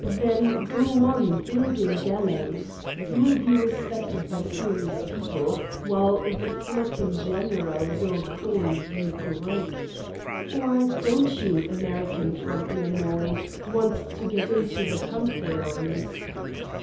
Then go on building gallows. You will be respected by seri ous people, while the flock in general will call you great. Or, don't you, American from Illinois, want to get into the Pantheon?"